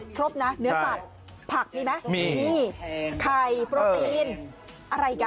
ครบนะเนื้อสัตว์ผักมีไหมมีไข่โปรตีนอะไรกัน